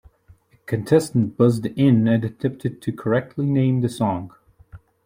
A contestant buzzed-in and attempted to correctly name the song.